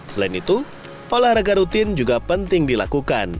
selain itu olahraga rutin juga penting dilakukan